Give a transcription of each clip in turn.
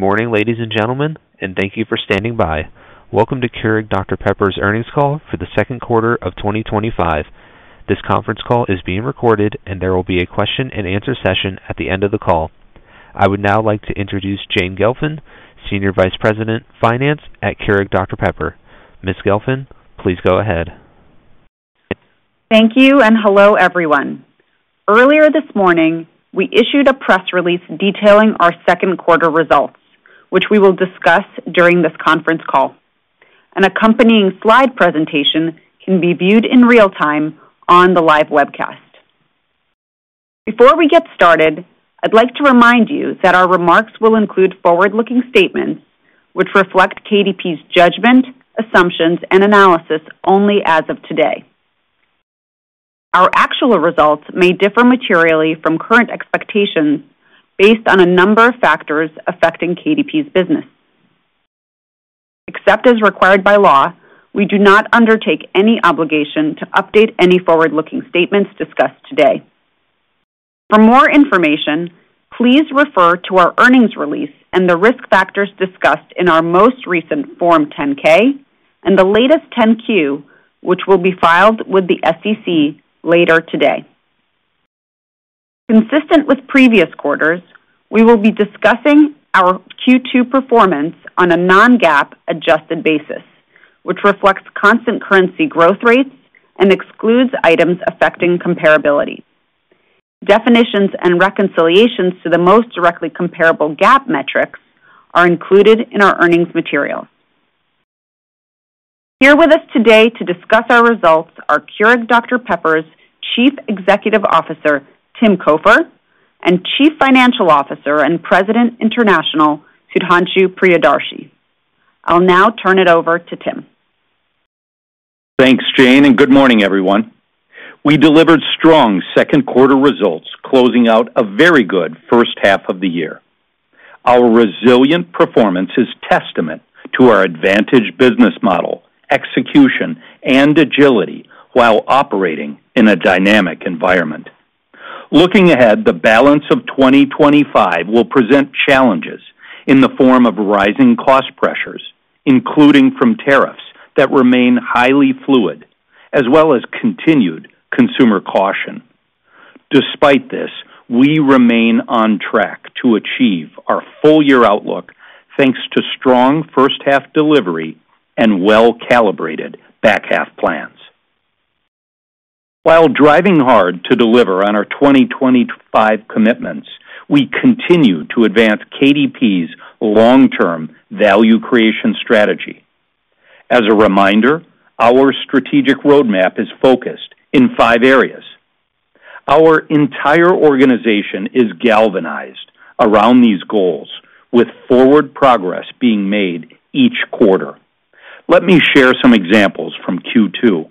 Good morning, ladies and gentlemen, and thank you for standing by. Welcome to Keurig Dr Pepper's earnings call for the second quarter of 2025. This conference call is being recorded, and there will be a question-and-answer session at the end of the call. I would now like to introduce Jane Gelfand, Senior Vice President Finance at Keurig Dr Pepper. Ms. Gelfand, please go ahead. Thank you, and hello everyone. Earlier this morning, we issued a press release detailing our second quarter results, which we will discuss during this conference call. An accompanying slide presentation can be viewed in real time on the live webcast. Before we get started, I'd like to remind you that our remarks will include forward-looking statements which reflect KDP's judgment, assumptions, and analysis only as of today. Our actual results may differ materially from current expectations based on a number of factors affecting KDP's business. Except as required by law, we do not undertake any obligation to update any forward-looking statements discussed today. For more information, please refer to our earnings release and the risk factors discussed in our most recent Form 10-K and the latest 10-Q, which will be filed with the SEC later today. Consistent with previous quarters, we will be discussing our Q2 performance on a non-GAAP adjusted basis, which reflects constant currency growth rates and excludes items affecting comparability. Definitions and reconciliations to the most directly comparable GAAP metrics are included in our earnings material. Here with us today to discuss our results are Keurig Dr Pepper's Chief Executive Officer, Tim Cofer, and Chief Financial Officer and President International, Sudhanshu Priyadarshi. I'll now turn it over to Tim. Thanks, Jane, and good morning, everyone. We delivered strong second quarter results, closing out a very good first half of the year. Our resilient performance is a testament to our advantaged business model, execution, and agility while operating in a dynamic environment. Looking ahead, the balance of 2025 will present challenges in the form of rising cost pressures, including from tariffs that remain highly fluid, as well as continued consumer caution. Despite this, we remain on track to achieve our full-year outlook thanks to strong first-half delivery and well-calibrated back-half plans. While driving hard to deliver on our 2025 commitments, we continue to advance KDP's long-term value creation strategy. As a reminder, our strategic roadmap is focused in five areas. Our entire organization is galvanized around these goals, with forward progress being made each quarter. Let me share some examples from Q2.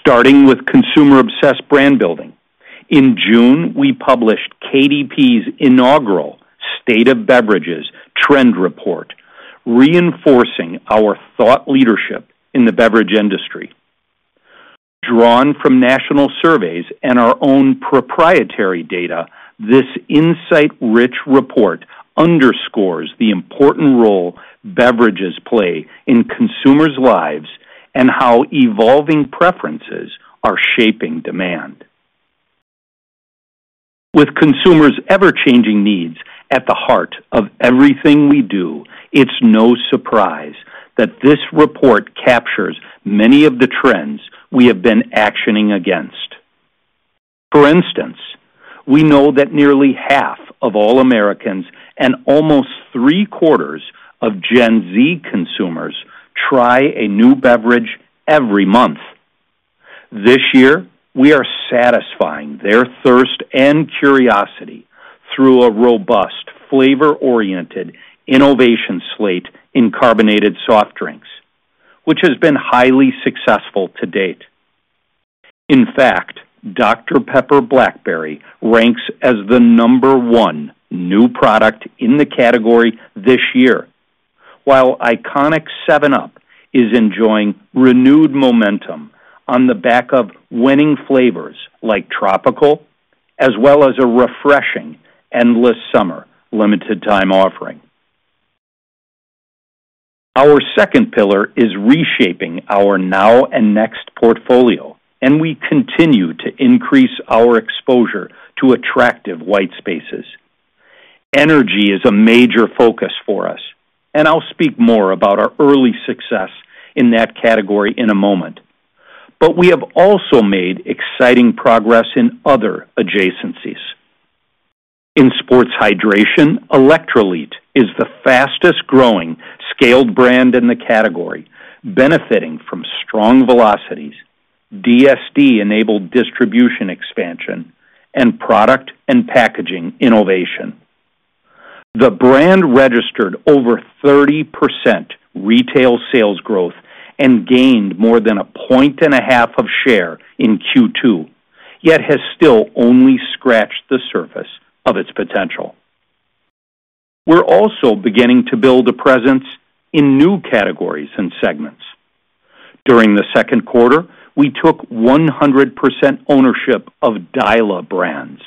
Starting with consumer-obsessed brand building. In June, we published KDP's inaugural State of Beverages Trend Report, reinforcing our thought leadership in the beverage industry. Drawn from national surveys and our own proprietary data, this insight-rich report underscores the important role beverages play in consumers' lives and how evolving preferences are shaping demand. With consumers' ever-changing needs at the heart of everything we do, it's no surprise that this report captures many of the trends we have been actioning against. For instance, we know that nearly half of all Americans and almost three-quarters of Gen Z consumers try a new beverage every month. This year, we are satisfying their thirst and curiosity through a robust flavor-oriented innovation slate in carbonated soft drinks, which has been highly successful to date. In fact, Dr Pepper Blackberry ranks as the number one new product in the category this year, while iconic 7UP is enjoying renewed momentum on the back of winning flavors like Tropical, as well as a refreshing Endless Summer limited-time offering. Our second pillar is reshaping our now and next portfolio, and we continue to increase our exposure to attractive white spaces. Energy is a major focus for us, and I'll speak more about our early success in that category in a moment, but we have also made exciting progress in other adjacencies. In sports hydration, Electrolit is the fastest-growing scaled brand in the category, benefiting from strong velocities, DSD-enabled distribution expansion, and product and packaging innovation. The brand registered over 30% retail sales growth and gained more than a point and a half of share in Q2, yet has still only scratched the surface of its potential. We're also beginning to build a presence in new categories and segments. During the second quarter, we took 100% ownership of Dila Brands,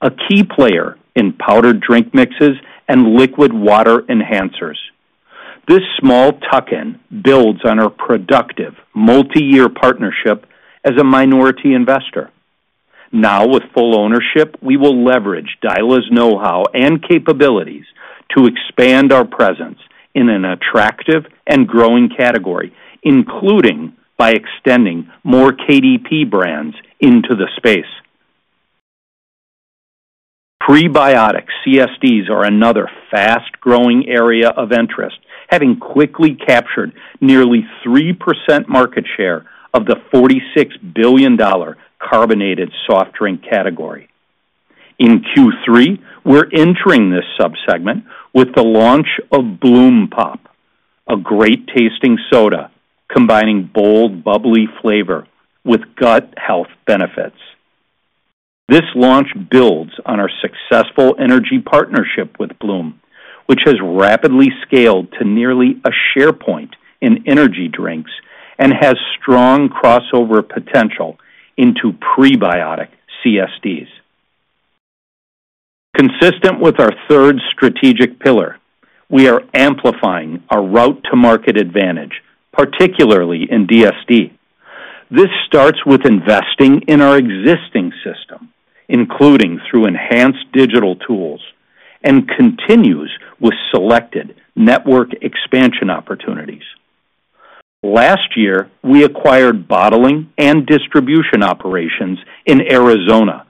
a key player in powdered drink mixes and liquid water enhancers. This small tuck-in builds on our productive multi-year partnership as a minority investor. Now, with full ownership, we will leverage Dila's know-how and capabilities to expand our presence in an attractive and growing category, including by extending more KDP brands into the space. Prebiotic CSDs are another fast-growing area of interest, having quickly captured nearly 3% market share of the $46 billion carbonated soft drink category. In Q3, we're entering this subsegment with the launch of Bloom Pop, a great-tasting soda combining bold, bubbly flavor with gut health benefits. This launch builds on our successful energy partnership with Bloom, which has rapidly scaled to nearly a share point in energy drinks and has strong crossover potential into prebiotic CSDs. Consistent with our third strategic pillar, we are amplifying our route-to-market advantage, particularly in DSD. This starts with investing in our existing system, including through enhanced digital tools, and continues with selected network expansion opportunities. Last year, we acquired bottling and distribution operations in Arizona,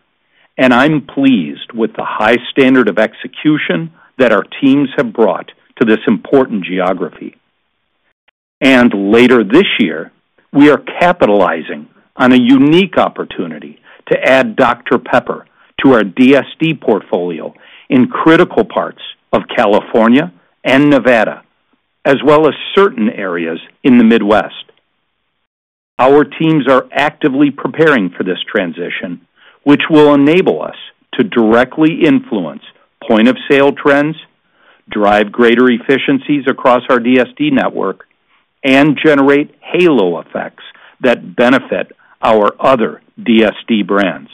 and I'm pleased with the high standard of execution that our teams have brought to this important geography. Later this year, we are capitalizing on a unique opportunity to add Dr Pepper to our DSD portfolio in critical parts of California and Nevada, as well as certain areas in the Midwest. Our teams are actively preparing for this transition, which will enable us to directly influence point-of-sale trends, drive greater efficiencies across our DSD network, and generate halo effects that benefit our other DSD brands.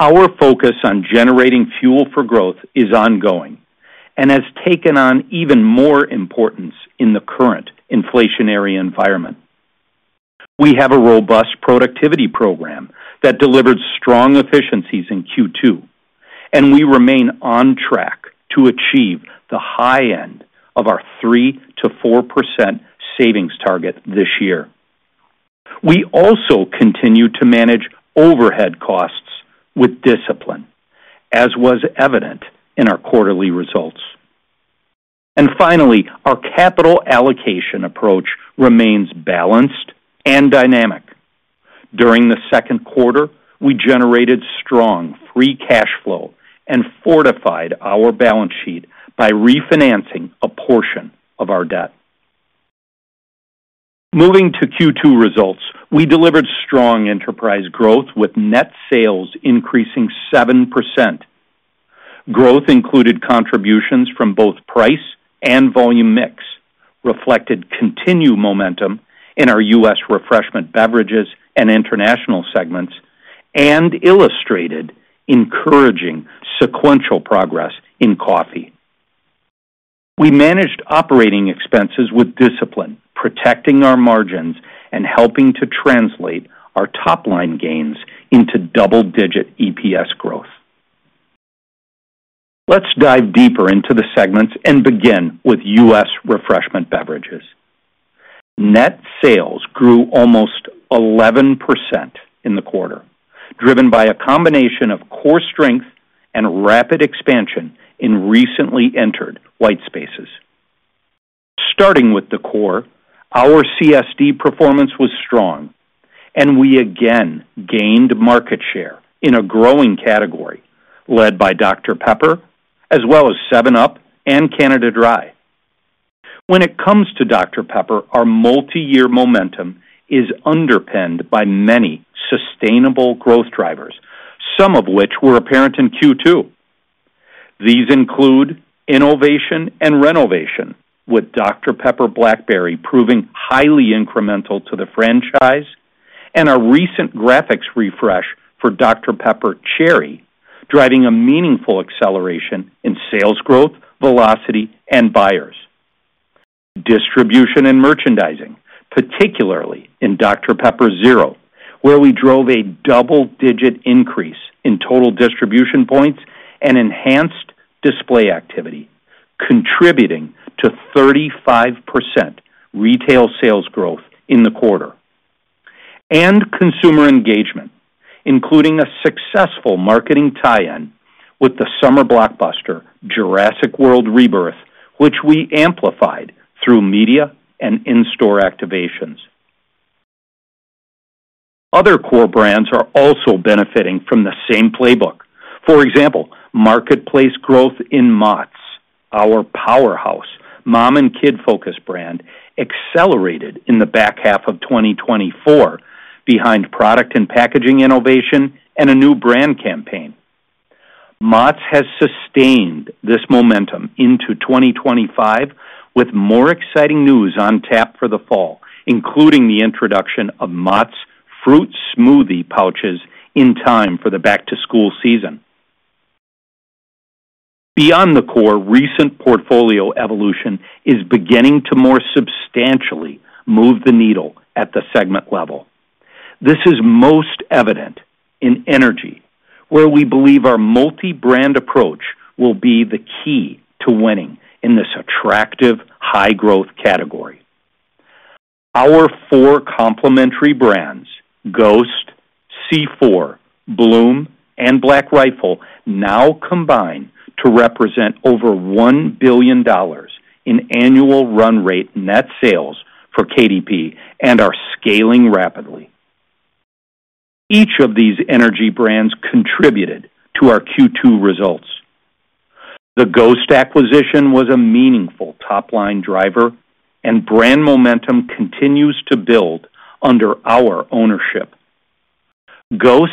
Our focus on generating fuel for growth is ongoing and has taken on even more importance in the current inflationary environment. We have a robust productivity program that delivered strong efficiencies in Q2, and we remain on track to achieve the high end of our 3%-4% savings target this year. We also continue to manage overhead costs with discipline, as was evident in our quarterly results. Finally, our capital allocation approach remains balanced and dynamic. During the second quarter, we generated strong free cash flow and fortified our balance sheet by refinancing a portion of our debt. Moving to Q2 results, we delivered strong enterprise growth with net sales increasing 7%. Growth included contributions from both price and volume mix, reflected continued momentum in our U.S. refreshment beverages and international segments, and illustrated encouraging sequential progress in coffee. We managed operating expenses with discipline, protecting our margins and helping to translate our top-line gains into double-digit EPS growth. Let's dive deeper into the segments and begin with U.S. refreshment beverages. Net sales grew almost 11% in the quarter, driven by a combination of core strength and rapid expansion in recently entered white spaces. Starting with the core, our CSD performance was strong, and we again gained market share in a growing category led by Dr Pepper, as well as 7UP and Canada Dry. When it comes to Dr Pepper, our multi-year momentum is underpinned by many sustainable growth drivers, some of which were apparent in Q2. These include innovation and renovation, with Dr Pepper Blackberry proving highly incremental to the franchise, and a recent graphics refresh for Dr Pepper Cherry, driving a meaningful acceleration in sales growth, velocity, and buyers. Distribution and merchandising, particularly in Dr Pepper Zero, where we drove a double-digit increase in total distribution points and enhanced display activity, contributing to 35% retail sales growth in the quarter. Consumer engagement, including a successful marketing tie-in with the summer blockbuster Jurassic World Rebirth, which we amplified through media and in-store activations. Other core brands are also benefiting from the same playbook. For example, marketplace growth in Mott’s, our powerhouse mom-and-kid-focused brand, accelerated in the back half of 2024 behind product and packaging innovation and a new brand campaign. Mott’s has sustained this momentum into 2025 with more exciting news on tap for the fall, including the introduction of Mott’s Fruit Smoothie Pouches in time for the back-to-school season. Beyond the core, recent portfolio evolution is beginning to more substantially move the needle at the segment level. This is most evident in energy, where we believe our multi-brand approach will be the key to winning in this attractive high-growth category. Our four complementary brands, Ghost, C4, Bloom, and Black Rifle, now combine to represent over $1 billion in annual run-rate net sales for KDP and are scaling rapidly. Each of these energy brands contributed to our Q2 results. The Ghost acquisition was a meaningful top-line driver, and brand momentum continues to build under our ownership. Ghost’s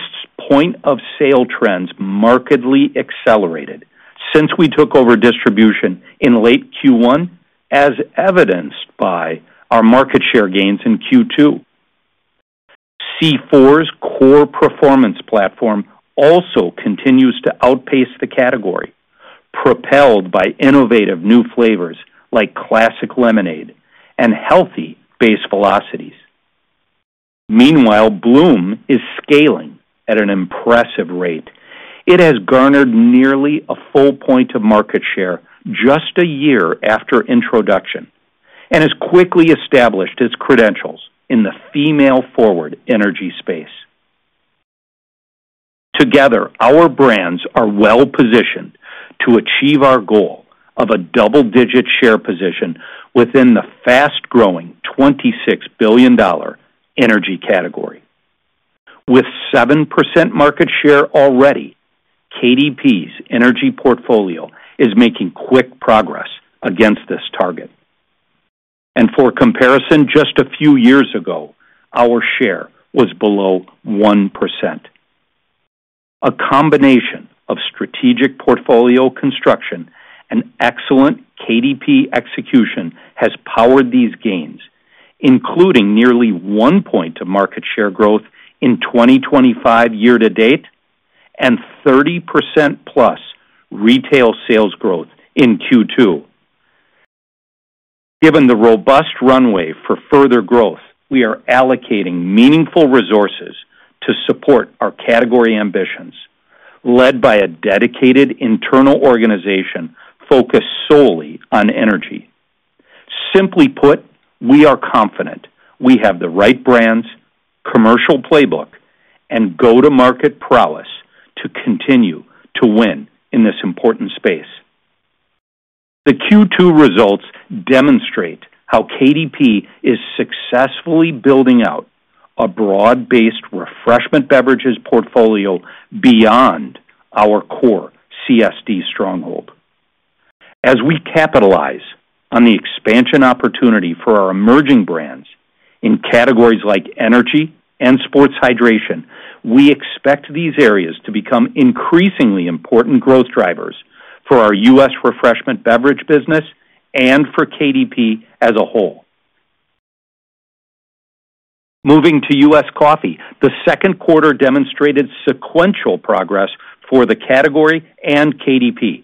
point-of-sale trends markedly accelerated since we took over distribution in late Q1, as evidenced by our market share gains in Q2. C4’s core performance platform also continues to outpace the category, propelled by innovative new flavors like classic lemonade and healthy base velocities. Meanwhile, Bloom is scaling at an impressive rate. It has garnered nearly a full point of market share just a year after introduction and has quickly established its credentials in the female-forward energy space. Together, our brands are well-positioned to achieve our goal of a double-digit share position within the fast-growing $26 billion energy category. With 7% market share already, KDP’s energy portfolio is making quick progress against this target. For comparison, just a few years ago, our share was below 1%. A combination of strategic portfolio construction and excellent KDP execution has powered these gains, including nearly one point of market share growth in 2025 year-to-date and 30%+ retail sales growth in Q2. Given the robust runway for further growth, we are allocating meaningful resources to support our category ambitions, led by a dedicated internal organization focused solely on energy. Simply put, we are confident we have the right brands, commercial playbook, and go-to-market prowess to continue to win in this important space. The Q2 results demonstrate how KDP is successfully building out a broad-based refreshment beverages portfolio beyond our core CSD stronghold. As we capitalize on the expansion opportunity for our emerging brands in categories like energy and sports hydration, we expect these areas to become increasingly important growth drivers for our U.S. refreshment beverage business and for KDP as a whole. Moving to U.S. Coffee, the second quarter demonstrated sequential progress for the category and KDP.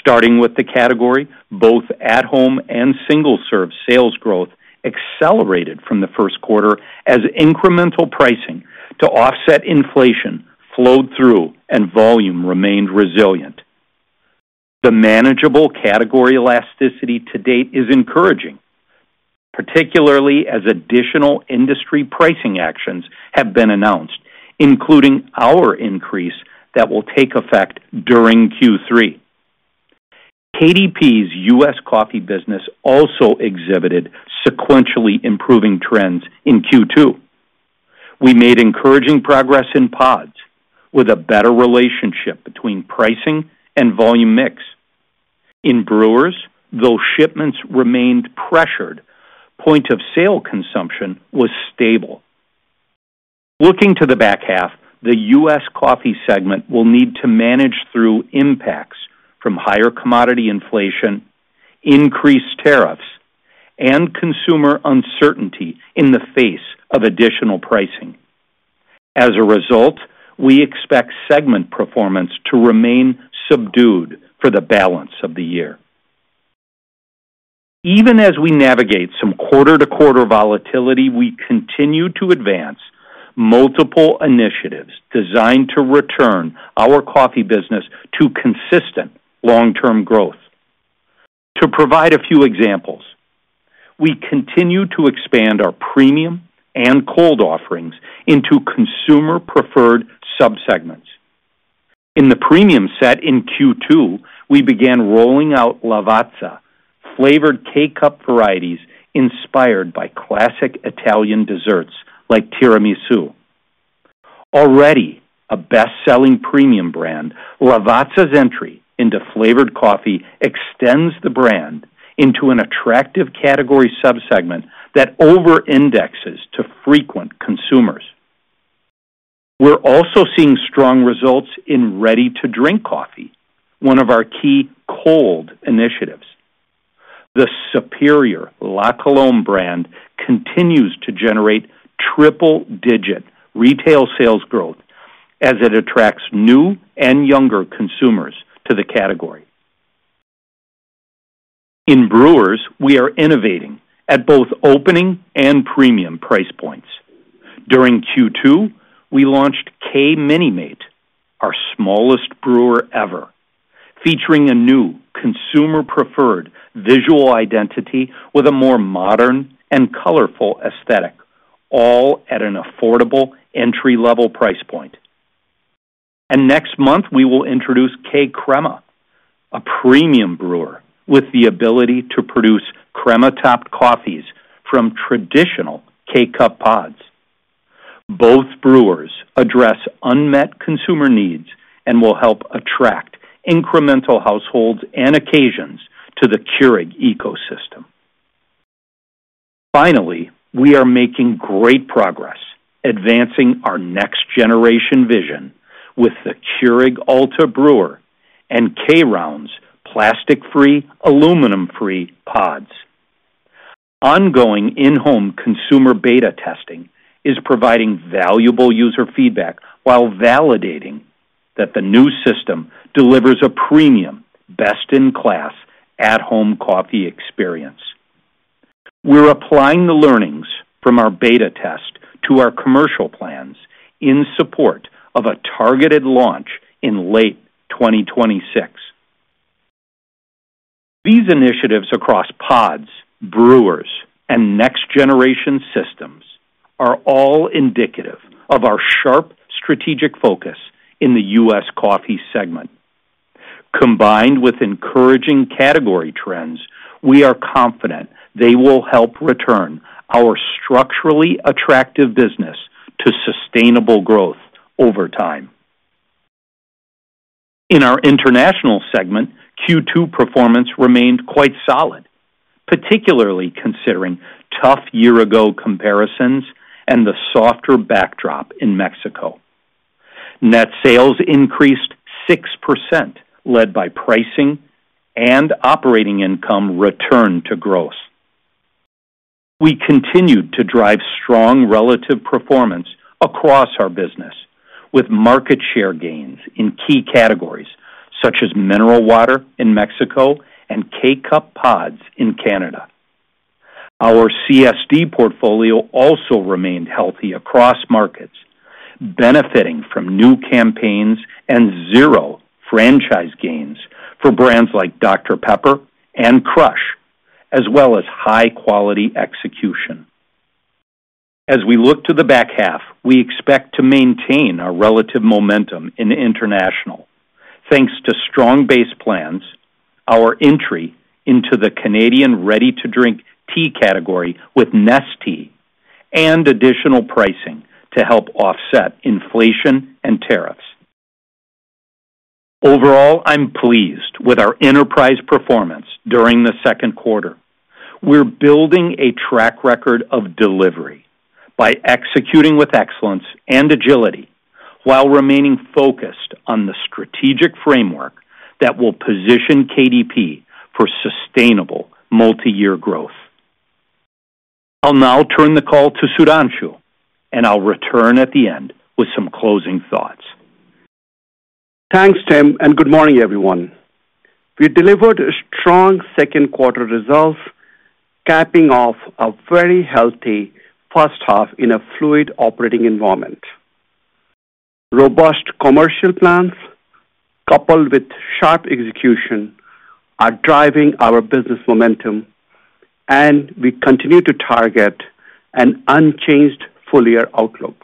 Starting with the category, both at-home and single-serve sales growth accelerated from the first quarter as incremental pricing to offset inflation flowed through and volume remained resilient. The manageable category elasticity to date is encouraging, particularly as additional industry pricing actions have been announced, including our increase that will take effect during Q3. KDP's U.S. coffee business also exhibited sequentially improving trends in Q2. We made encouraging progress in pods with a better relationship between pricing and volume mix. In brewers, though shipments remained pressured, point-of-sale consumption was stable. Looking to the back half, the U.S. coffee segment will need to manage through impacts from higher commodity inflation, increased tariffs, and consumer uncertainty in the face of additional pricing. As a result, we expect segment performance to remain subdued for the balance of the year. Even as we navigate some quarter-to-quarter volatility, we continue to advance multiple initiatives designed to return our coffee business to consistent long-term growth. To provide a few examples, we continue to expand our premium and cold offerings into consumer-preferred subsegments. In the premium set in Q2, we began rolling out Lavazza, flavored K-Cup varieties inspired by classic Italian desserts like Tiramisu. Already a best-selling premium brand, Lavazza's entry into flavored coffee extends the brand into an attractive category subsegment that over-indexes to frequent consumers. We are also seeing strong results in ready-to-drink coffee, one of our key cold initiatives. The superior La Colombe brand continues to generate triple-digit retail sales growth as it attracts new and younger consumers to the category. In brewers, we are innovating at both opening and premium price points. During Q2, we launched K-Minimate, our smallest brewer ever, featuring a new consumer-preferred visual identity with a more modern and colorful aesthetic, all at an affordable entry-level price point. Next month, we will introduce K-Crema, a premium brewer with the ability to produce crema-topped coffees from traditional K-Cup pods. Both brewers address unmet consumer needs and will help attract incremental households and occasions to the Keurig ecosystem. Finally, we are making great progress advancing our next-generation vision with the Keurig Ulta Brewer and K-Rounds plastic-free, aluminum-free pods. Ongoing in-home consumer beta testing is providing valuable user feedback while validating that the new system delivers a premium, best-in-class at-home coffee experience. We are applying the learnings from our beta test to our commercial plans in support of a targeted launch in late 2026. These initiatives across pods, brewers, and next-generation systems are all indicative of our sharp strategic focus in the U.S. coffee segment. Combined with encouraging category trends, we are confident they will help return our structurally attractive business to sustainable growth over time. In our international segment, Q2 performance remained quite solid, particularly considering tough year-ago comparisons and the softer backdrop in Mexico. Net sales increased 6%, led by pricing and operating income return to gross. We continued to drive strong relative performance across our business with market share gains in key categories such as mineral water in Mexico and K-Cup pods in Canada. Our CSD portfolio also remained healthy across markets, benefiting from new campaigns and zero franchise gains for brands like Dr Pepper and Crush, as well as high-quality execution. As we look to the back half, we expect to maintain our relative momentum in international thanks to strong base plans, our entry into the Canadian ready-to-drink tea category with Nestea, and additional pricing to help offset inflation and tariffs. Overall, I'm pleased with our enterprise performance during the second quarter. We're building a track record of delivery by executing with excellence and agility while remaining focused on the strategic framework that will position KDP for sustainable multi-year growth. I'll now turn the call to Sudhanshu, and I'll return at the end with some closing thoughts. Thanks, Tim, and good morning, everyone. We delivered strong second-quarter results, capping off a very healthy first half in a fluid operating environment. Robust commercial plans, coupled with sharp execution, are driving our business momentum, and we continue to target an unchanged full-year outlook.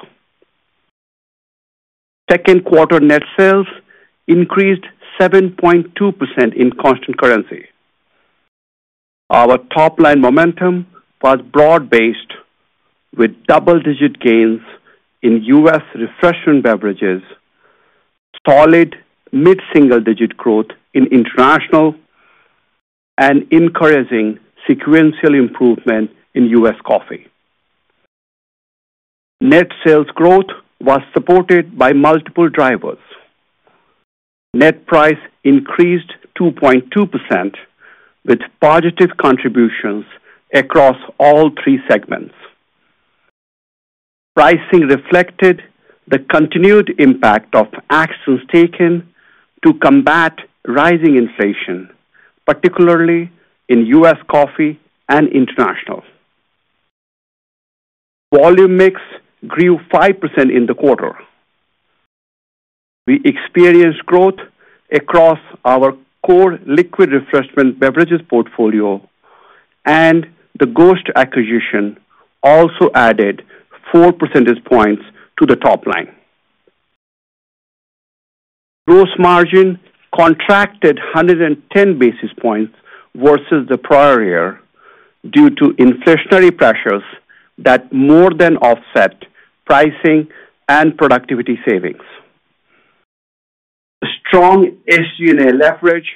Second-quarter net sales increased 7.2% in constant currency. Our top-line momentum was broad-based with double-digit gains in U.S. refreshment beverages. Solid mid-single-digit growth in international. And encouraging sequential improvement in U.S. coffee. Net sales growth was supported by multiple drivers. Net price increased 2.2%, with positive contributions across all three segments. Pricing reflected the continued impact of actions taken to combat rising inflation, particularly in U.S. coffee and international. Volume mix grew 5% in the quarter. We experienced growth across our core liquid refreshment beverages portfolio, and the Ghost acquisition also added 4 percentage points to the top line. Gross margin contracted 110 basis points versus the prior year due to inflationary pressures that more than offset pricing and productivity savings. Strong SG&A leverage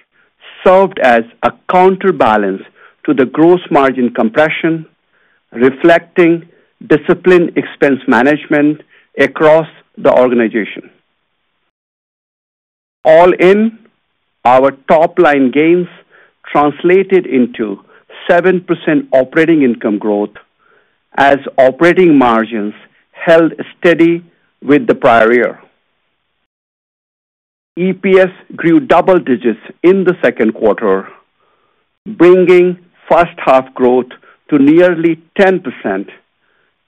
served as a counterbalance to the gross margin compression, reflecting disciplined expense management across the organization. All in, our top-line gains translated into 7% operating income growth as operating margins held steady with the prior year. EPS grew double digits in the second quarter, bringing first-half growth to nearly 10%,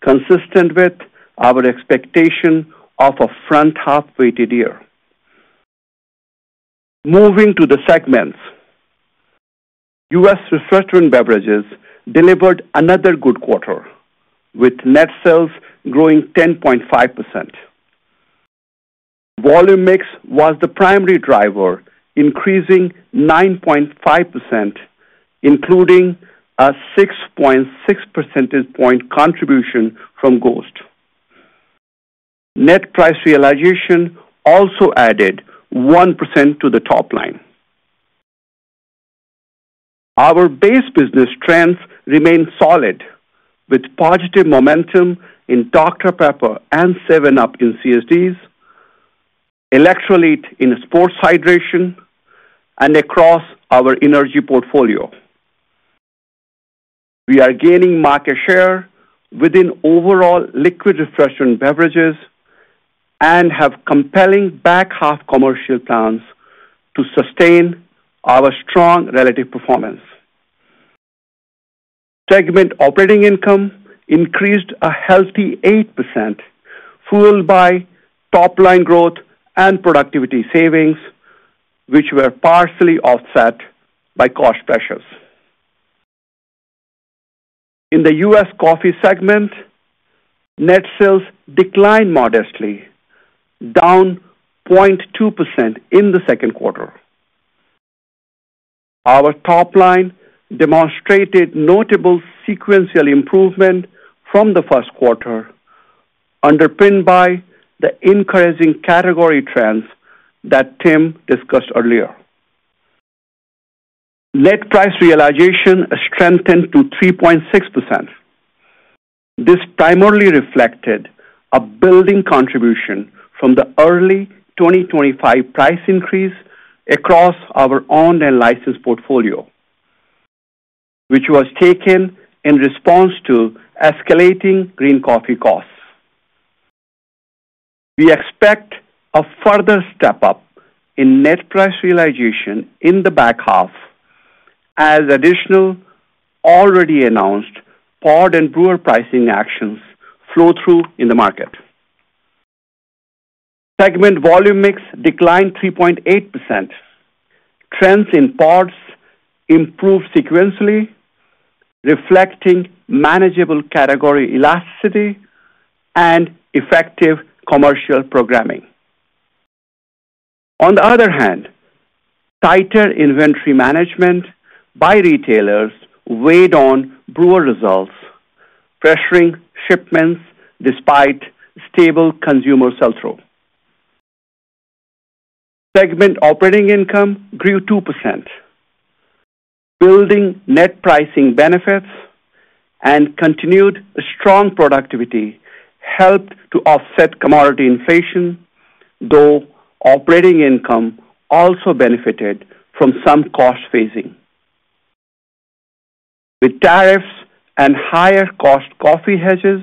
consistent with our expectation of a front-half-weighted year. Moving to the segments, U.S. refreshment beverages delivered another good quarter with net sales growing 10.5%. Volume mix was the primary driver, increasing 9.5%, including a 6.6 percentage point contribution from Ghost. Net price realization also added 1% to the top line. Our base business trends remained solid with positive momentum in Dr Pepper and 7UP in CSDs, Electrolit in sports hydration, and across our energy portfolio. We are gaining market share within overall liquid refreshment beverages and have compelling back-half commercial plans to sustain our strong relative performance. Segment operating income increased a healthy 8%, fueled by top-line growth and productivity savings, which were partially offset by cost pressures. In the U.S. coffee segment, net sales declined modestly. Down 0.2% in the second quarter. Our top line demonstrated notable sequential improvement from the first quarter, underpinned by the encouraging category trends that Tim discussed earlier. Net price realization strengthened to 3.6%. This primarily reflected a building contribution from the early 2025 price increase across our own and licensed portfolio, which was taken in response to escalating green coffee costs. We expect a further step up in net price realization in the back half, as additional, already announced pod and brewer pricing actions flow through in the market. Segment volume mix declined 3.8%. Trends in pods improved sequentially, reflecting manageable category elasticity and effective commercial programming. On the other hand, tighter inventory management by retailers weighed on brewer results, pressuring shipments despite stable consumer sell-through. Segment operating income grew 2%. Building net pricing benefits and continued strong productivity helped to offset commodity inflation, though operating income also benefited from some cost phasing. With tariffs and higher cost coffee hedges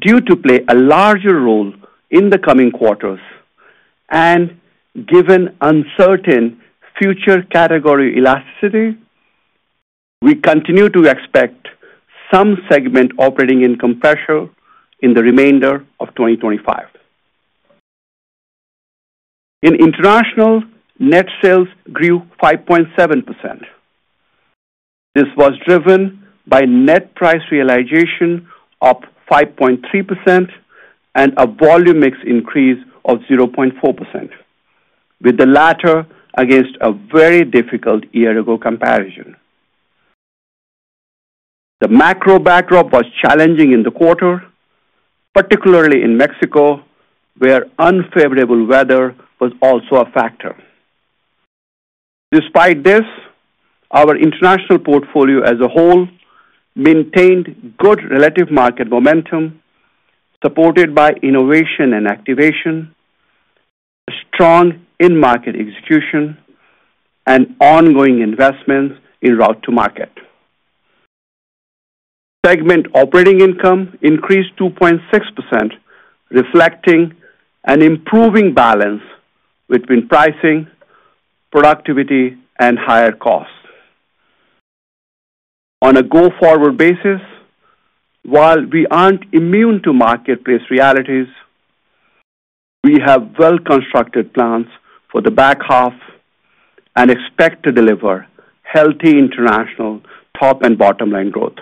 due to play a larger role in the coming quarters, and given uncertain future category elasticity, we continue to expect some segment operating income pressure in the remainder of 2025. In international, net sales grew 5.7%. This was driven by net price realization of 5.3% and a volume mix increase of 0.4%, with the latter against a very difficult year-ago comparison. The macro backdrop was challenging in the quarter, particularly in Mexico, where unfavorable weather was also a factor. Despite this, our international portfolio as a whole maintained good relative market momentum, supported by innovation and activation, strong in-market execution, and ongoing investments in route-to-market. Segment operating income increased 2.6%, reflecting an improving balance between pricing, productivity, and higher costs. On a go-forward basis, while we aren't immune to marketplace realities, we have well-constructed plans for the back half and expect to deliver healthy international top and bottom-line growth.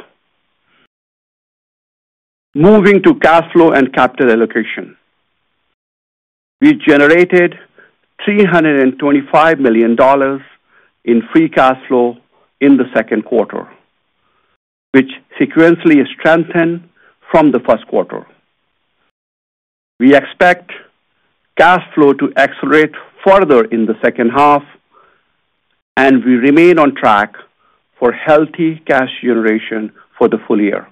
Moving to cash flow and capital allocation, we generated $325 million in free cash flow in the second quarter, which sequentially strengthened from the first quarter. We expect cash flow to accelerate further in the second half, and we remain on track for healthy cash generation for the full year.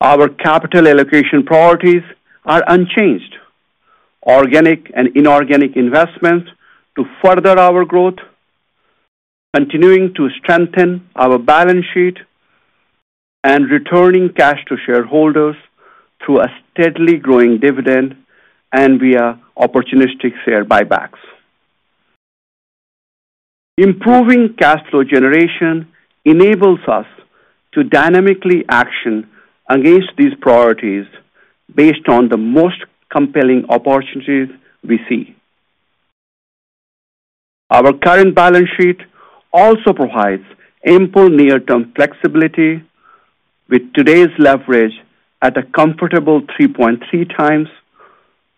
Our capital allocation priorities are unchanged: organic and inorganic investments to further our growth, continuing to strengthen our balance sheet, and returning cash to shareholders through a steadily growing dividend and via opportunistic share buybacks. Improving cash flow generation enables us to dynamically action against these priorities based on the most compelling opportunities we see. Our current balance sheet also provides ample near-term flexibility, with today's leverage at a comfortable 3.3x,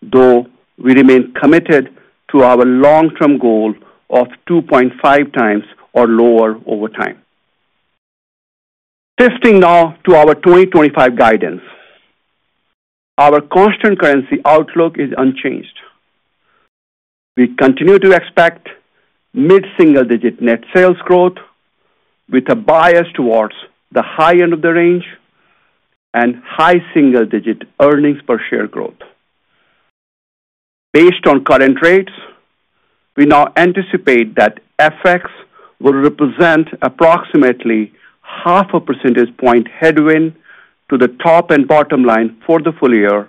though we remain committed to our long-term goal of 2.5x or lower over time. Shifting now to our 2025 guidance, our constant currency outlook is unchanged. We continue to expect mid-single-digit net sales growth with a bias towards the high end of the range, and high single-digit earnings per share growth. Based on current rates, we now anticipate that FX will represent approximately half a percentage point headwind to the top and bottom line for the full year,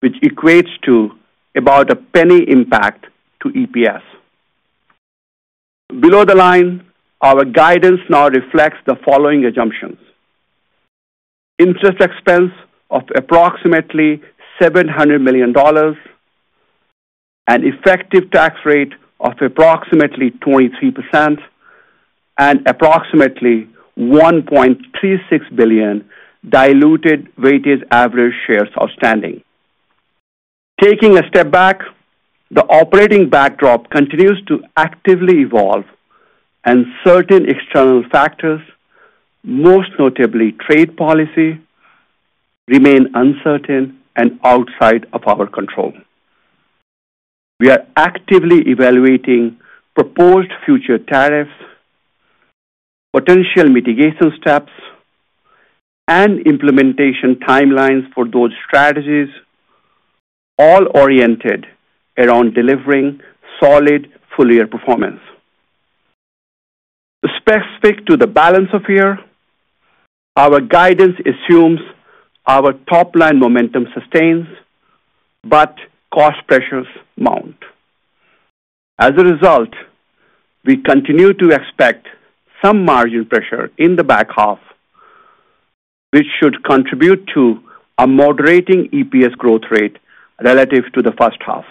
which equates to about a penny impact to EPS. Below the line, our guidance now reflects the following assumptions. Interest expense of approximately $700 million. An effective tax rate of approximately 23%. And approximately $1.36 billion diluted weighted average shares outstanding. Taking a step back, the operating backdrop continues to actively evolve, and certain external factors, most notably trade policy, remain uncertain and outside of our control. We are actively evaluating proposed future tariffs, potential mitigation steps, and implementation timelines for those strategies, all oriented around delivering solid full-year performance. Specific to the balance of year, our guidance assumes our top-line momentum sustains, but cost pressures mount. As a result, we continue to expect some margin pressure in the back half, which should contribute to a moderating EPS growth rate relative to the first half.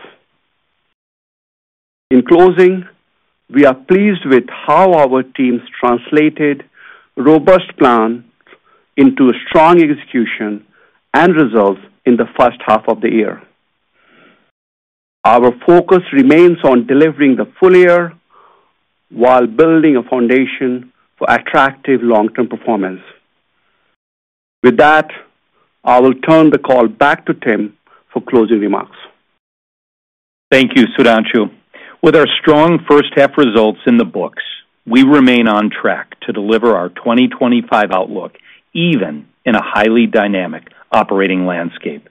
In closing, we are pleased with how our teams translated robust plans into strong execution and results in the first half of the year. Our focus remains on delivering the full year while building a foundation for attractive long-term performance. With that, I will turn the call back to Tim for closing remarks. Thank you, Sudhanshu. With our strong first-half results in the books, we remain on track to deliver our 2025 outlook even in a highly dynamic operating landscape.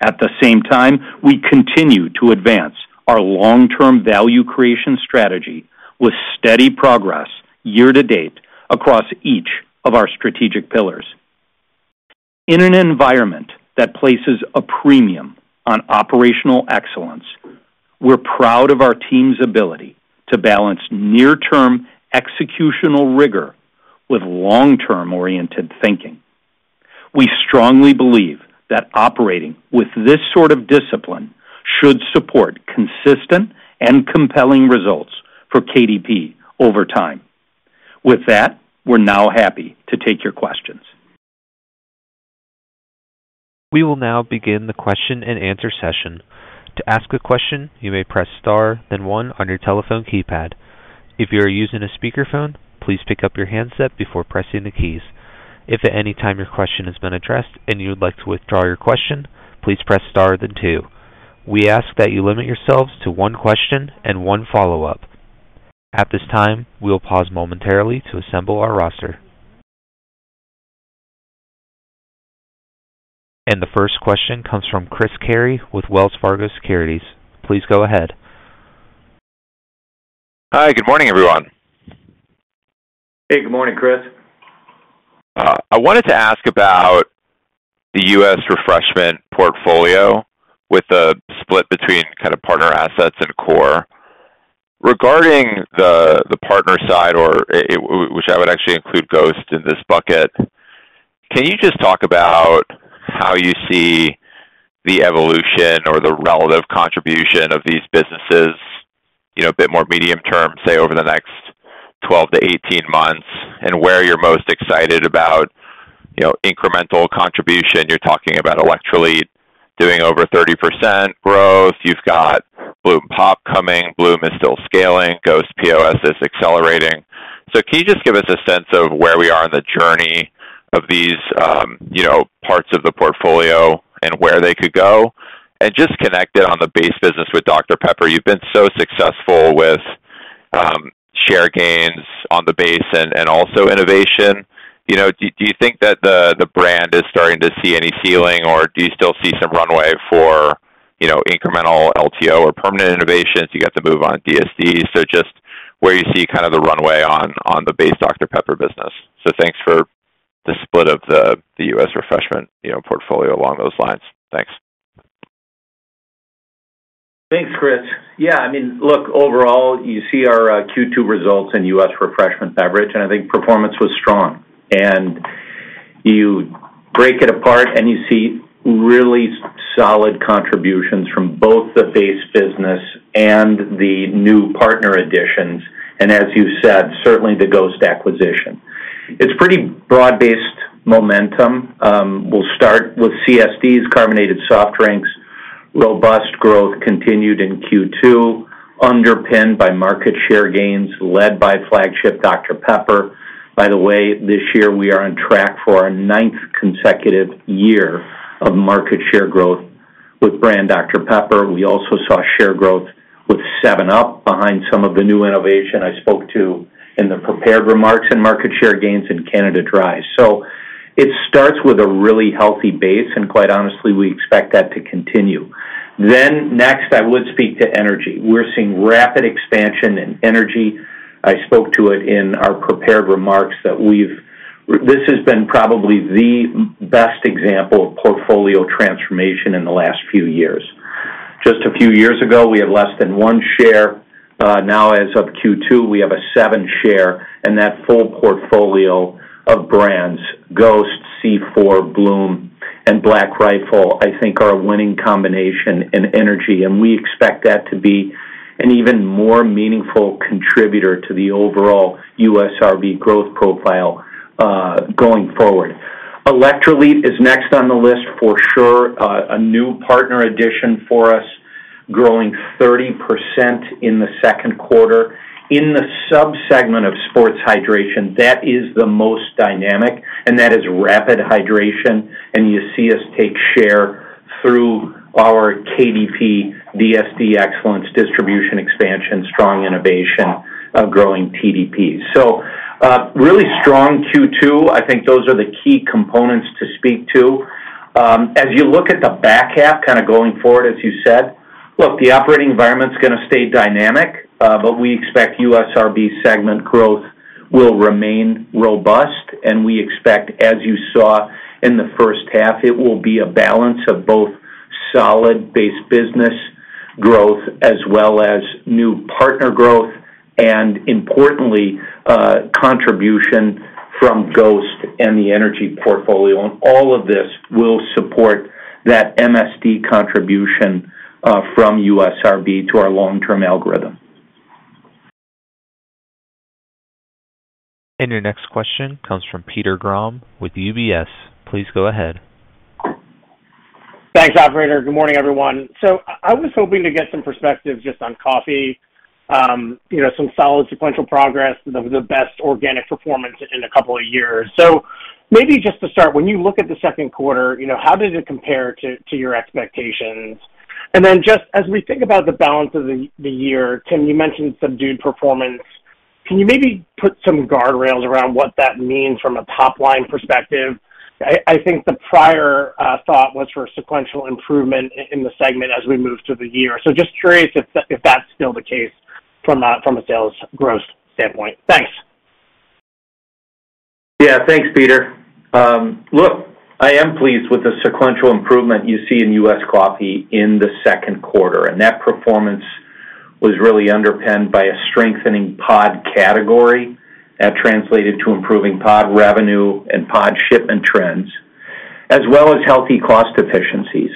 At the same time, we continue to advance our long-term value creation strategy with steady progress year to date across each of our strategic pillars. In an environment that places a premium on operational excellence, we're proud of our team's ability to balance near-term executional rigor with long-term oriented thinking. We strongly believe that operating with this sort of discipline should support consistent and compelling results for KDP over time. With that, we're now happy to take your questions. We will now begin the question-and answer-session. To ask a question, you may press star, then one on your telephone keypad. If you are using a speakerphone, please pick up your handset before pressing the keys. If at any time your question has been addressed and you would like to withdraw your question, please press star, then two. We ask that you limit yourselves to one question and one follow-up. At this time, we'll pause momentarily to assemble our roster. And the first question comes from Chris Carey with Wells Fargo Securities. Please go ahead. Hi. Good morning, everyone. Hey. Good morning, Chris. I wanted to ask about the U.S. refreshment portfolio with the split between kind of partner assets and core. Regarding the partner side, which I would actually include Ghost in this bucket, can you just talk about how you see the evolution or the relative contribution of these businesses a bit more medium term, say over the next 12 to 18 months, and where you're most excited about incremental contribution? You're talking about Electrolit doing over 30% growth. You've got Bloom and Bloom Pop coming. Bloom is still scaling. Ghost POS is accelerating. Can you just give us a sense of where we are in the journey of these parts of the portfolio and where they could go? Just connect it on the base business with Dr Pepper. You've been so successful with share gains on the base and also innovation. Do you think that the brand is starting to see any ceiling, or do you still see some runway for incremental LTO or permanent innovations? You got the move on DSDs. Where do you see the runway on the base Dr Pepper business? Thanks for the split of the U.S. refreshment portfolio along those lines. Thanks. Thanks, Chris. Yeah. I mean, look, overall, you see our Q2 results in U.S. refreshment beverage, and I think performance was strong. You break it apart and you see really solid contributions from both the base business and the new partner additions. As you said, certainly the Ghost acquisition. It's pretty broad-based momentum. We'll start with CSDs, carbonated soft drinks, robust growth continued in Q2, underpinned by market share gains led by flagship Dr Pepper. By the way, this year we are on track for our ninth consecutive year of market share growth with brand Dr Pepper. We also saw share growth with 7UP behind some of the new innovation I spoke to in the prepared remarks and market share gains in Canada Dry. It starts with a really healthy base, and quite honestly, we expect that to continue. Next, I would speak to energy. We're seeing rapid expansion in energy. I spoke to it in our prepared remarks that this has been probably the best example of portfolio transformation in the last few years. Just a few years ago, we had less than one share. Now, as of Q2, we have a seven-share, and that full portfolio of brands—Ghost, C4, Bloom, and Black Rifle—I think are a winning combination in energy, and we expect that to be an even more meaningful contributor to the overall U.S. RV growth profile going forward. Electrolit is next on the list for sure, a new partner addition for us, growing 30% in the second quarter. In the subsegment of sports hydration, that is the most dynamic, and that is rapid hydration, and you see us take share through our KDP DSD excellence distribution expansion, strong innovation, growing TDPs. Really strong Q2. I think those are the key components to speak to. As you look at the back half, going forward, as you said, the operating environment's going to stay dynamic, but we expect U.S. RV segment growth will remain robust, and we expect, as you saw in the first half, it will be a balance of both solid base business growth as well as new partner growth, and importantly. Contribution from Ghost and the energy portfolio. All of this will support that MSD contribution from U.S. RV to our long-term algorithm. Your next question comes from Peter Grom with UBS. Please go ahead. Thanks, operator. Good morning, everyone. I was hoping to get some perspective just on coffee. Some solid sequential progress, the best organic performance in a couple of years. Maybe just to start, when you look at the second quarter, how did it compare to your expectations? Just as we think about the balance of the year, Tim, you mentioned subdued performance. Can you maybe put some guardrails around what that means from a top-line perspective? I think the prior thought was for sequential improvement in the segment as we move through the year. Just curious if that's still the case from a sales growth standpoint. Thanks. Yeah. Thanks, Peter. Look, I am pleased with the sequential improvement you see in U.S. coffee in the second quarter. That performance was really underpinned by a strengthening pod category that translated to improving pod revenue and pod shipment trends, as well as healthy cost efficiencies.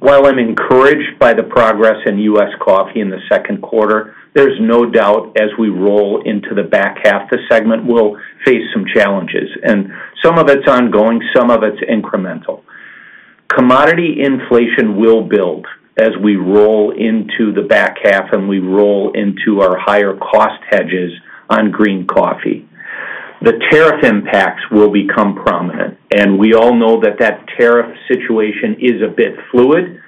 While I'm encouraged by the progress in U.S. coffee in the second quarter, there's no doubt as we roll into the back half, the segment will face some challenges. Some of it's ongoing, some of it's incremental. Commodity inflation will build as we roll into the back half and we roll into our higher cost hedges on green coffee. The tariff impacts will become prominent. We all know that that tariff situation is a bit fluid.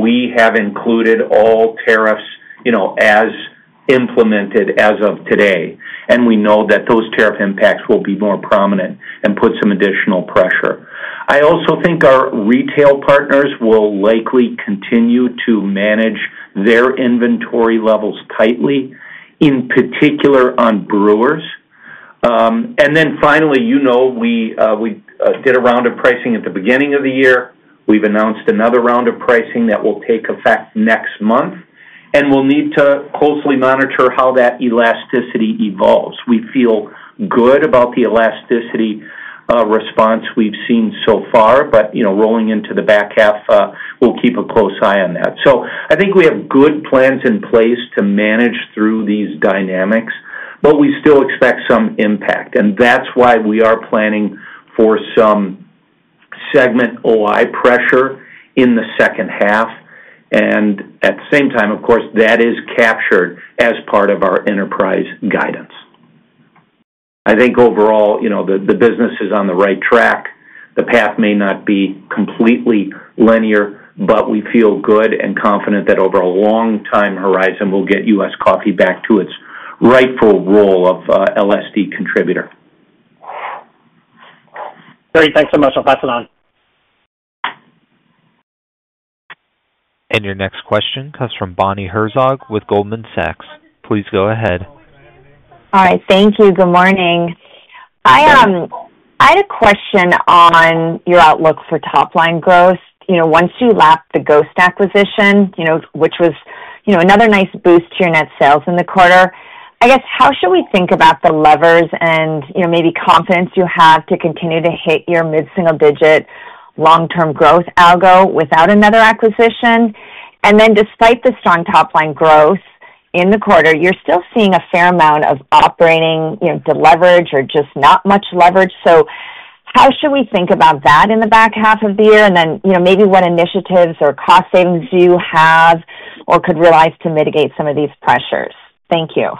We have included all tariffs as implemented as of today. We know that those tariff impacts will be more prominent and put some additional pressure. I also think our retail partners will likely continue to manage their inventory levels tightly, in particular on brewers. Finally, you know we did a round of pricing at the beginning of the year. We've announced another round of pricing that will take effect next month. We'll need to closely monitor how that elasticity evolves. We feel good about the elasticity response we've seen so far, but rolling into the back half, we'll keep a close eye on that. I think we have good plans in place to manage through these dynamics, but we still expect some impact. That's why we are planning for some segment OI pressure in the second half. At the same time, of course, that is captured as part of our enterprise guidance. I think overall, the business is on the right track. The path may not be completely linear, but we feel good and confident that over a long-time horizon, we'll get U.S. coffee back to its rightful role of LSD contributor. Great. Thanks so much. I'll pass it on. Your next question comes from Bonnie Herzog with Goldman Sachs. Please go ahead. All right. Thank you. Good morning. I had a question on your outlook for top-line growth. Once you left the Ghost acquisition, which was another nice boost to your net sales in the quarter, I guess, how should we think about the levers and maybe confidence you have to continue to hit your mid-single-digit long-term growth algo without another acquisition? Despite the strong top-line growth in the quarter, you're still seeing a fair amount of operating to leverage or just not much leverage. How should we think about that in the back half of the year? Maybe what initiatives or cost savings do you have or could realize to mitigate some of these pressures? Thank you.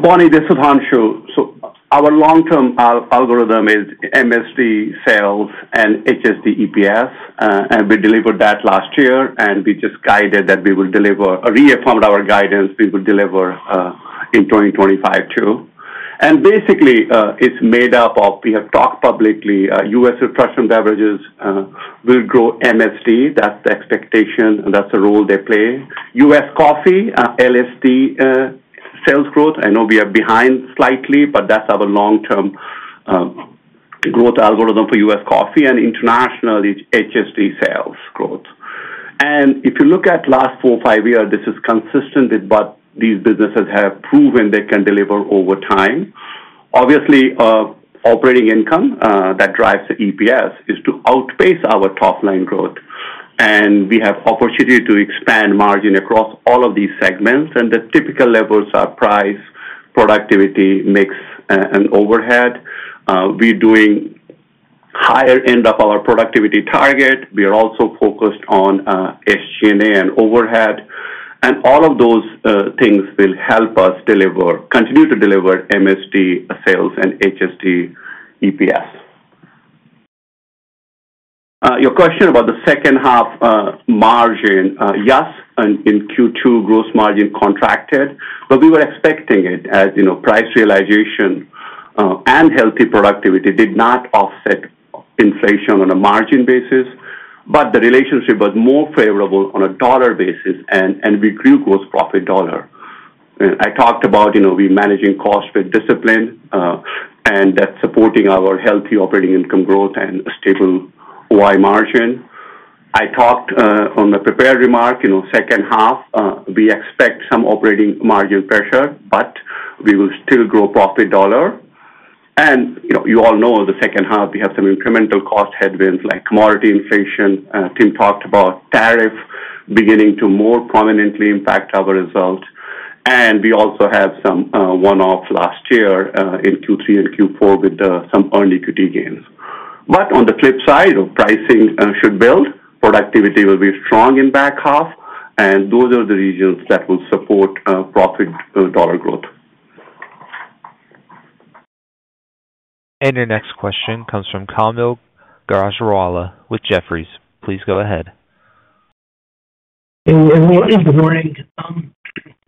Bonnie, this is Sudhanshu. Our long-term algorithm is MSD sales and HSD EPS. We delivered that last year, and we just guided that we will deliver—we reformed our guidance—we will deliver in 2025 too. Basically, it's made up of—we have talked publicly—U.S. refreshment beverages will grow MSD. That's the expectation. That's the role they play. U.S. coffee, LSD sales growth. I know we are behind slightly, but that's our long-term growth algorithm for U.S. coffee and internationally HSD sales growth. If you look at the last four or five years, this is consistent with what these businesses have proven they can deliver over time. Obviously, operating income that drives the EPS is to outpace our top-line growth. We have the opportunity to expand margin across all of these segments. The typical levers are price, productivity, mix, and overhead. We're doing higher end of our productivity target. We are also focused on SG&A and overhead. All of those things will help us continue to deliver MSD sales and HSD EPS. Your question about the second-half margin—yes, in Q2, gross margin contracted, but we were expecting it as price realization and healthy productivity did not offset inflation on a margin basis. The relationship was more favorable on a dollar basis, and we grew gross profit dollar. I talked about we're managing cost with discipline, and that's supporting our healthy operating income growth and a stable OI margin. I talked on the prepared remark, second half, we expect some operating margin pressure, but we will still grow profit dollar. You all know the second half, we have some incremental cost headwinds like commodity inflation. Tim talked about tariffs beginning to more prominently impact our results. We also had some one-off last year in Q3 and Q4 with some earlier Q2 gains. On the flip side, pricing should build. Productivity will be strong in the back half. Those are the regions that will support profit dollar growth. Your next question comes from Kaumil Gajrawala with Jefferies. Please go ahead. Good morning.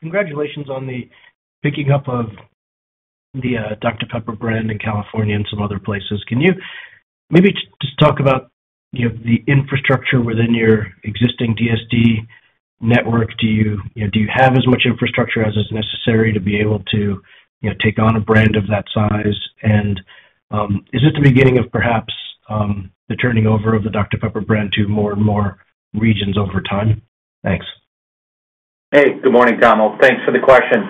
Congratulations on the picking up of the Dr Pepper brand in California and some other places. Can you maybe just talk about the infrastructure within your existing DSD network? Do you have as much infrastructure as is necessary to be able to take on a brand of that size? Is this the beginning of perhaps the turning over of the Dr Pepper brand to more and more regions over time? Thanks. Hey, good morning, Kaumil. Thanks for the question.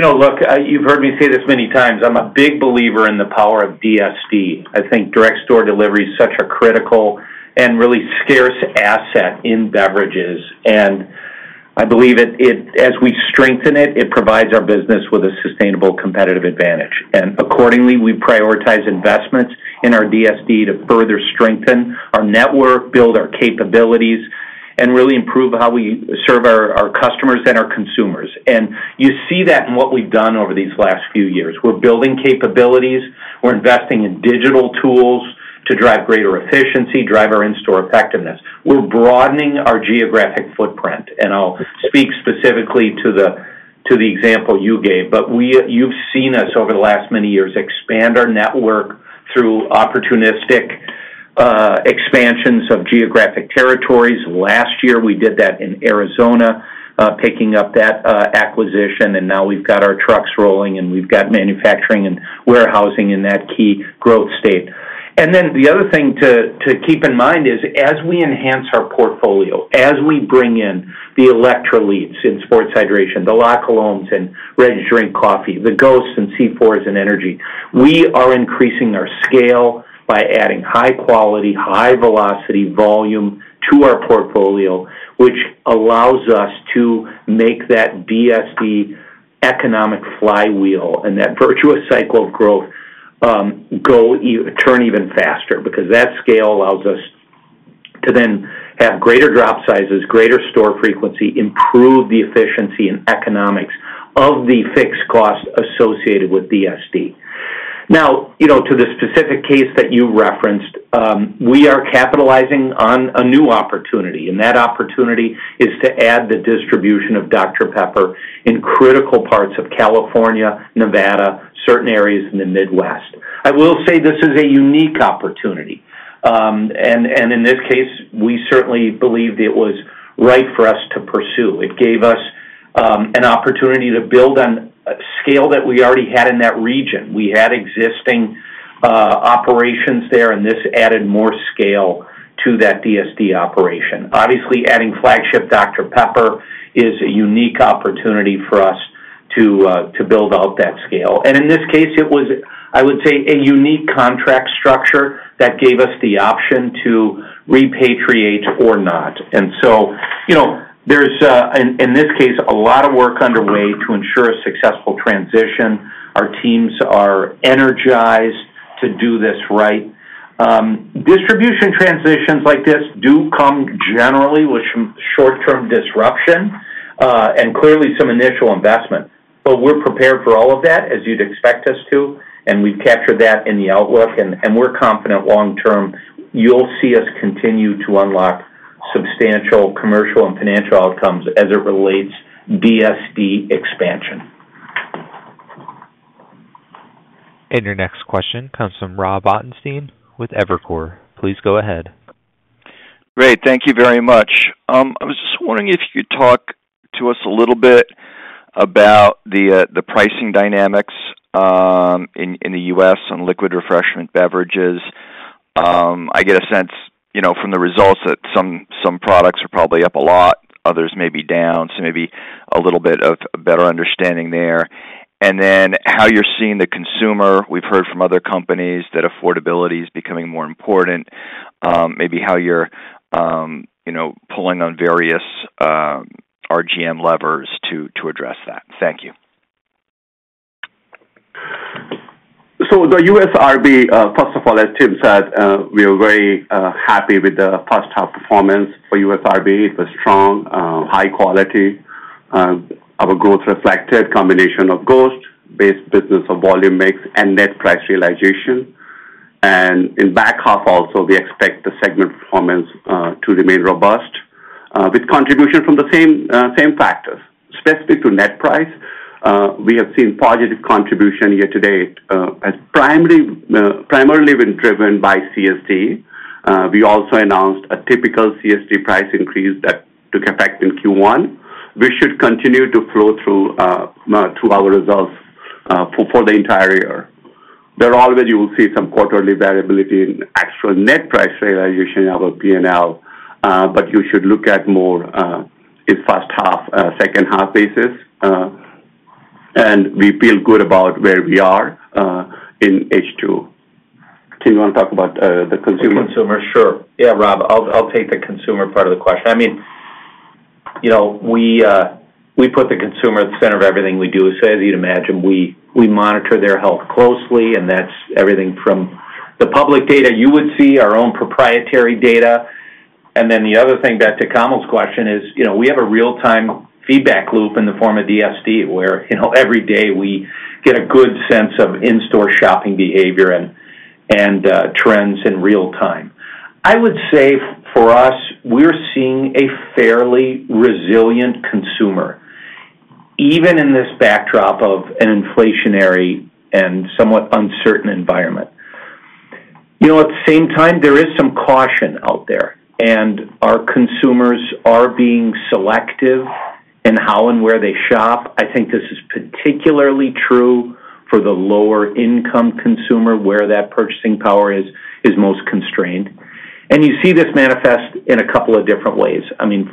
Look, you've heard me say this many times. I'm a big believer in the power of DSD. I think direct store delivery is such a critical and really scarce asset in beverages. I believe as we strengthen it, it provides our business with a sustainable competitive advantage. Accordingly, we prioritize investments in our DSD to further strengthen our network, build our capabilities, and really improve how we serve our customers and our consumers. You see that in what we've done over these last few years. We're building capabilities. We're investing in digital tools to drive greater efficiency, drive our in-store effectiveness. We're broadening our geographic footprint. I'll speak specifically to the example you gave, but you've seen us over the last many years expand our network through opportunistic expansions of geographic territories. Last year, we did that in Arizona, picking up that acquisition. Now we've got our trucks rolling, and we've got manufacturing and warehousing in that key growth state. The other thing to keep in mind is as we enhance our portfolio, as we bring in the Electrolit in sports hydration, the La Colombe in ready-to-drink coffee, the Ghost and C4 in energy, we are increasing our scale by adding high-quality, high-velocity volume to our portfolio, which allows us to make that DSD economic flywheel and that virtuous cycle of growth turn even faster because that scale allows us to then have greater drop sizes, greater store frequency, improve the efficiency and economics of the fixed cost associated with DSD. Now, to the specific case that you referenced, we are capitalizing on a new opportunity. That opportunity is to add the distribution of Dr Pepper in critical parts of California, Nevada, certain areas in the Midwest. I will say this is a unique opportunity. In this case, we certainly believe it was right for us to pursue. It gave us an opportunity to build on a scale that we already had in that region. We had existing operations there, and this added more scale to that DSD operation. Obviously, adding flagship Dr Pepper is a unique opportunity for us to build out that scale. In this case, it was, I would say, a unique contract structure that gave us the option to repatriate or not. There's, in this case, a lot of work underway to ensure a successful transition. Our teams are energized to do this right. Distribution transitions like this do come generally with some short-term disruption and clearly some initial investment. We're prepared for all of that, as you'd expect us to. We've captured that in the outlook. We're confident long-term you'll see us continue to unlock substantial commercial and financial outcomes as it relates to DSD expansion. Your next question comes from Rob Ottenstein with Evercore. Please go ahead. Great. Thank you very much. I was just wondering if you could talk to us a little bit about the pricing dynamics in the U.S. on liquid refreshment beverages. I get a sense from the results that some products are probably up a lot, others may be down, so maybe a little bit of a better understanding there. And then how you're seeing the consumer. We've heard from other companies that affordability is becoming more important, maybe how you're pulling on various RGM levers to address that. Thank you. The U.S. RB, first of all, as Tim said, we are very happy with the first-half performance for U.S. RB. It was strong, high-quality. Our growth reflected a combination of Ghost-based business, of volume mix and net price realization. In the back half, also, we expect the segment performance to remain robust with contribution from the same factors. Specific to net price, we have seen positive contribution year to date, primarily been driven by CSD. We also announced a typical CSD price increase that took effect in Q1, which should continue to flow through our results for the entire year. There are always—you will see some quarterly variability in actual net price realization of our P&L, but you should look at more in first-half, second-half basis. We feel good about where we are in H2. Tim, you want to talk about the consumer? The consumer, sure. Yeah, Rob, I'll take the consumer part of the question. I mean, we put the consumer at the center of everything we do. As you'd imagine, we monitor their health closely, and that's everything from the public data you would see, our own proprietary data. The other thing, back to Kaumil's question, is we have a real-time feedback loop in the form of DSD where every day we get a good sense of in-store shopping behavior and trends in real time. I would say for us, we're seeing a fairly resilient consumer, even in this backdrop of an inflationary and somewhat uncertain environment. At the same time, there is some caution out there, and our consumers are being selective in how and where they shop. I think this is particularly true for the lower-income consumer, where that purchasing power is most constrained. You see this manifest in a couple of different ways.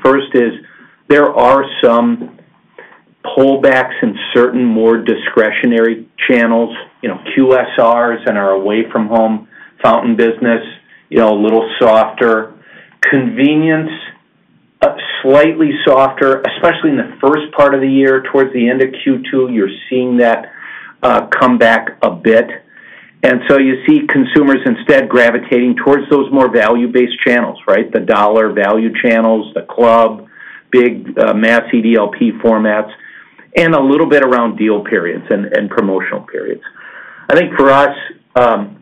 First is there are some pullbacks in certain more discretionary channels, QSRs and our away-from-home fountain business, a little softer. Convenience, slightly softer, especially in the first part of the year towards the end of Q2. You're seeing that come back a bit, and you see consumers instead gravitating towards those more value-based channels, right? The dollar value channels, the club, big mass CDLP formats, and a little bit around deal periods and promotional periods. I think for us,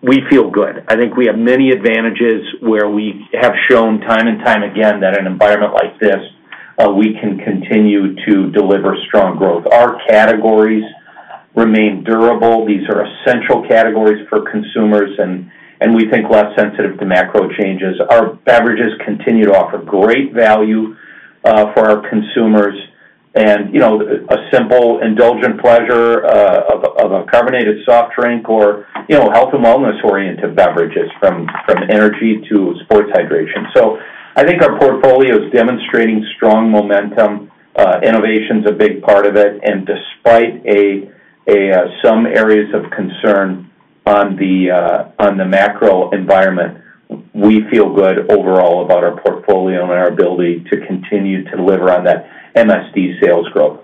we feel good. I think we have many advantages where we have shown time and time again that in an environment like this, we can continue to deliver strong growth. Our categories remain durable. These are essential categories for consumers, and we think less sensitive to macro changes. Our beverages continue to offer great value for our consumers, and a simple indulgent pleasure of a carbonated soft drink or health and wellness-oriented beverages from energy to sports hydration. I think our portfolio is demonstrating strong momentum. Innovation is a big part of it. Despite some areas of concern on the macro environment, we feel good overall about our portfolio and our ability to continue to deliver on that MSD sales growth.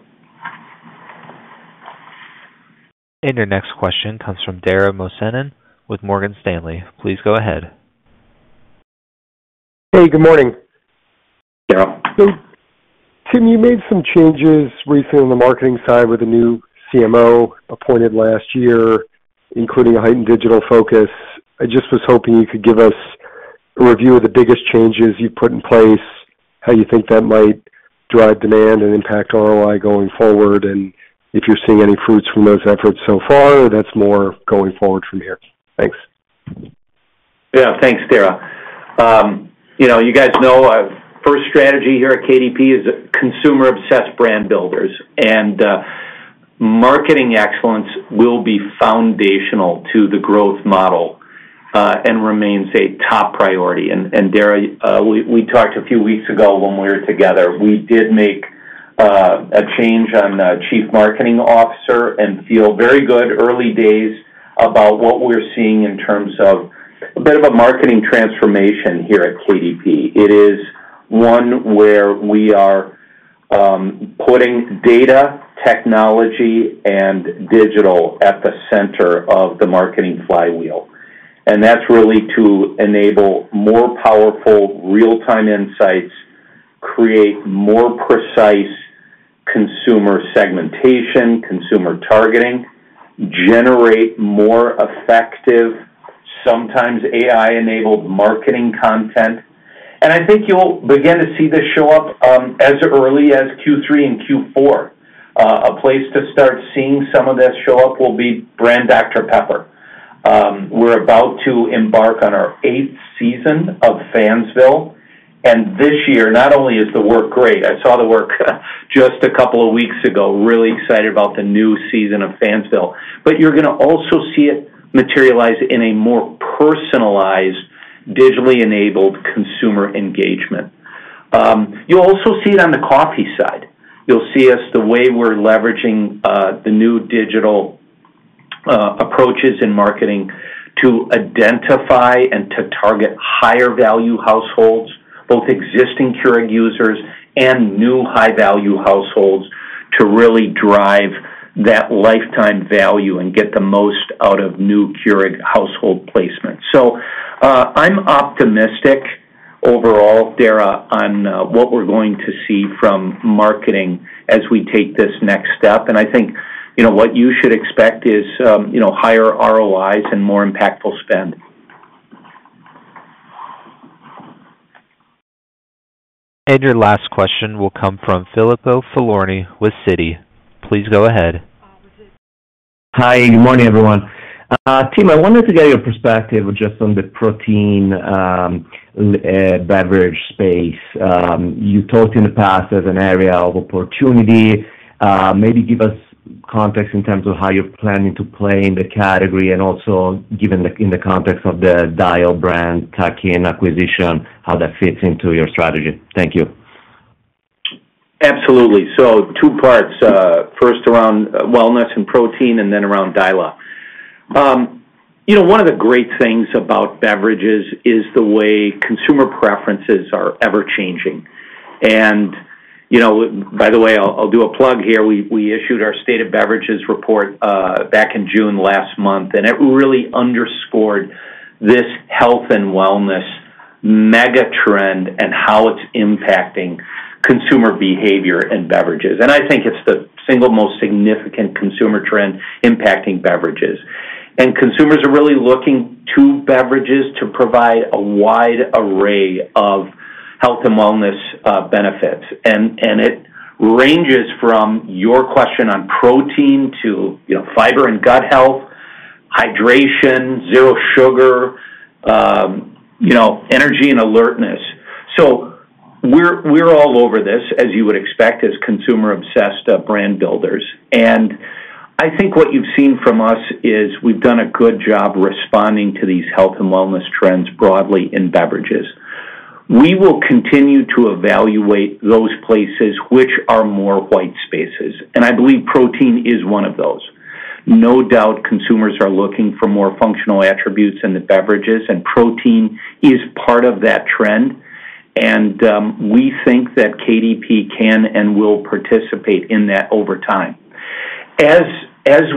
Your next question comes from Dara Mohsenian with Morgan Stanley. Please go ahead. Hey, good morning. Tim. Tim, you made some changes recently on the marketing side with a new CMO appointed last year, including a heightened digital focus. I just was hoping you could give us a review of the biggest changes you've put in place, how you think that might drive demand and impact ROI going forward, and if you're seeing any fruits from those efforts so far, or that's more going forward from here. Thanks. Yeah, thanks, Dara. You guys know our first strategy here at KDP is consumer-obsessed brand builders. Marketing excellence will be foundational to the growth model and remains a top priority. Dara, we talked a few weeks ago when we were together. We did make a change on the Chief Marketing Officer and feel very good early days about what we're seeing in terms of a bit of a marketing transformation here at KDP. It is one where we are putting data, technology, and digital at the center of the marketing flywheel, and that's really to enable more powerful real-time insights, create more precise consumer segmentation, consumer targeting, generate more effective, sometimes AI-enabled marketing content. I think you'll begin to see this show up as early as Q3 and Q4. A place to start seeing some of this show up will be brand Dr Pepper. We're about to embark on our eighth season of Fansville, and this year, not only is the work great—I saw the work just a couple of weeks ago—really excited about the new season of Fansville, but you're going to also see it materialize in a more personalized, digitally-enabled consumer engagement. You'll also see it on the coffee side. You'll see us, the way we're leveraging the new digital approaches in marketing to identify and to target higher-value households, both existing Keurig users and new high-value households, to really drive that lifetime value and get the most out of new Keurig household placement. I'm optimistic overall, Dara, on what we're going to see from marketing as we take this next step. I think what you should expect is higher ROIs and more impactful spend. Your last question will come from Filippo Falorni with Citi. Please go ahead. Hi, good morning, everyone. Tim, I wanted to get your perspective just on the protein beverage space. You talked in the past as an area of opportunity. Maybe give us context in terms of how you're planning to play in the category and also given in the context of the Dila Brands tuck-in acquisition, how that fits into your strategy. Thank you. Absolutely. Two parts. First around wellness and protein and then around Dila. One of the great things about beverages is the way consumer preferences are ever-changing. By the way, I'll do a plug here. We issued our state of beverages report back in June last month, and it really underscored this health and wellness mega trend and how it's impacting consumer behavior and beverages. I think it's the single most significant consumer trend impacting beverages. Consumers are really looking to beverages to provide a wide array of health and wellness benefits. It ranges from your question on protein to fiber and gut health, hydration, zero sugar, energy, and alertness. We're all over this, as you would expect, as consumer-obsessed brand builders. I think what you've seen from us is we've done a good job responding to these health and wellness trends broadly in beverages. We will continue to evaluate those places which are more white spaces. I believe protein is one of those. No doubt, consumers are looking for more functional attributes in the beverages, and protein is part of that trend. We think that KDP can and will participate in that over time. As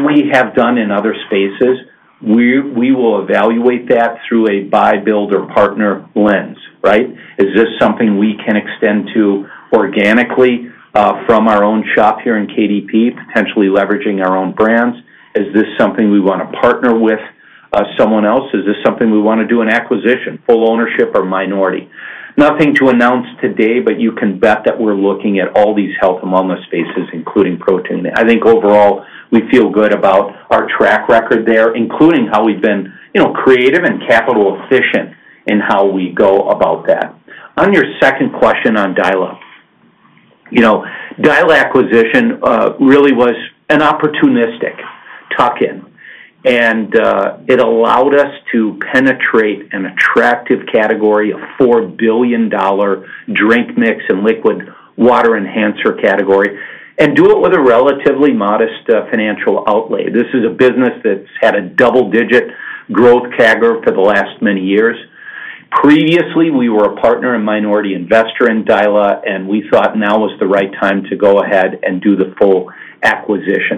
we have done in other spaces, we will evaluate that through a buy-build or partner lens, right? Is this something we can extend to organically from our own shop here in KDP, potentially leveraging our own brands? Is this something we want to partner with someone else? Is this something we want to do an acquisition, full ownership, or minority? Nothing to announce today, but you can bet that we're looking at all these health and wellness spaces, including protein. I think overall, we feel good about our track record there, including how we've been creative and capital-efficient in how we go about that. On your second question on Dila. Dila acquisition really was an opportunistic tuck-in. It allowed us to penetrate an attractive category of $4 billion drink mix and liquid water enhancer category and do it with a relatively modest financial outlay. This is a business that's had a double-digit growth CAGR for the last many years. Previously, we were a partner and minority investor in Dila, and we thought now was the right time to go ahead and do the full acquisition.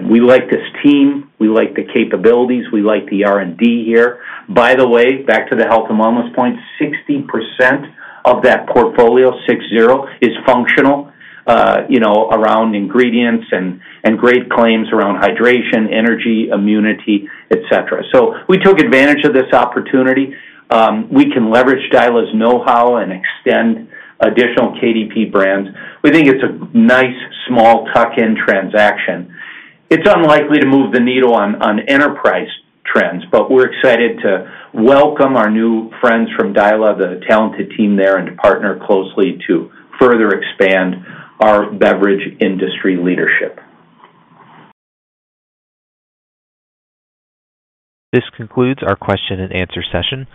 We like this team. We like the capabilities. We like the R&D here. By the way, back to the health and wellness point, 60% of that portfolio, 60, is functional. Around ingredients and great claims around hydration, energy, immunity, etc. We took advantage of this opportunity. We can leverage Dila's know-how and extend additional KDP brands. We think it is a nice small tuck-in transaction. It is unlikely to move the needle on enterprise trends, but we are excited to welcome our new friends from Dila, the talented team there, and to partner closely to further expand our beverage industry leadership. This concludes our question-and-answer session.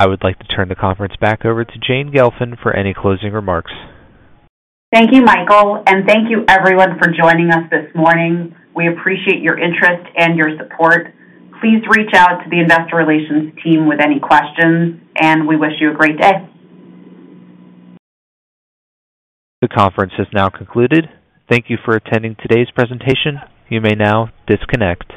I would like to turn the conference back over to Jane Gelfand for any closing remarks. Thank you, Michael. Thank you, everyone, for joining us this morning. We appreciate your interest and your support. Please reach out to the investor relations team with any questions, and we wish you a great day. The conference has now concluded. Thank you for attending today's presentation. You may now disconnect.